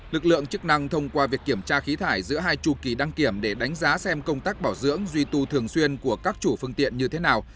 lực lượng chức năng thông qua việc kiểm tra khí thải giữa hai chủ kỳ đăng kiểm để đánh giá xem công tác bảo dưỡng duy tu thường xuyên của các chủ phương tiện như thế nào